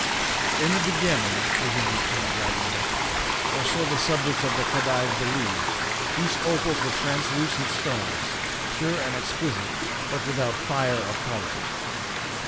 " In the beginning," resumed Count Valdmir, " or so the subjects of the Khedive believe, these opals were translucent stones, pure and exquisite, but without fire or color.